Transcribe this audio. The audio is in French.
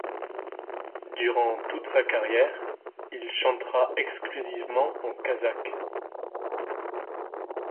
Durant toute sa carrière, il chantera exclusivement en kazakh.